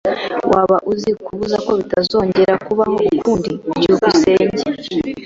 Waba uzi kubuza ko bitazongera kubaho ukundi? byukusenge